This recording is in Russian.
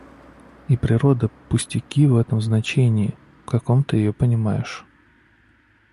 И природа пустяки в том значении, в каком ты ее понимаешь.